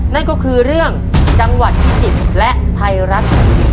นั่นก็คือเรื่องจังหวัดพิจิตรและไทยรัฐทีวี